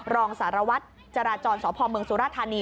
รองสารวัตรจราจรสพสุรธานี